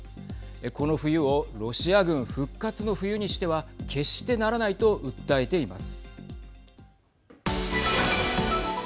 この冬をロシア軍復活の冬にしては決してならないと訴えています。